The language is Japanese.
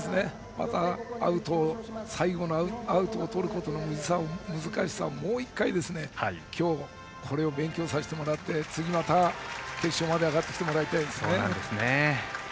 また最後のアウトをとることの難しさをもう１回今日、これを勉強させてもらって次また決勝まで上がってきてもらいたいですね。